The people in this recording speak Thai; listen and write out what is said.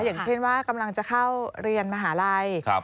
อย่างเช่นว่ากำลังจะเข้าเรียนมหาลัย